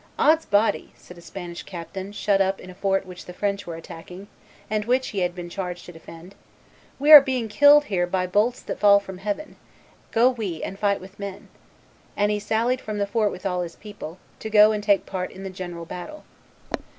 "'Od's body," said a Spanish captain shut up in a fort which the French were attacking, and which he had been charged to defend, "we are being killed here by bolts that fall from heaven; go we and fight with men;" and he sallied from the fort with all his people, to go and take part in the general battle.